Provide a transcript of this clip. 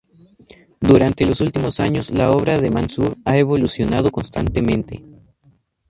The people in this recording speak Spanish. Durante los últimos años la obra de Manzur ha evolucionado constantemente.